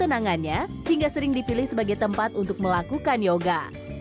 dan ketenangannya hingga sering dipilih sebagai tempat untuk melakukan yoga